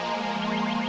orang klemas tadi di situ